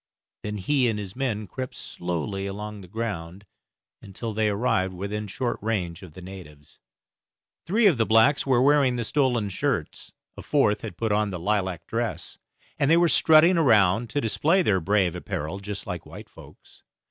Then he and his men crept slowly along the ground until they arrived within short range of the natives. Three of the blacks were wearing the stolen shirts, a fourth had put on the lilac dress, and they were strutting around to display their brave apparel just like white folks.